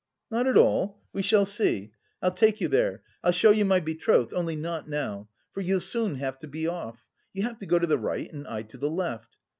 "Not at all? We shall see. I'll take you there, I'll show you my betrothed, only not now. For you'll soon have to be off. You have to go to the right and I to the left.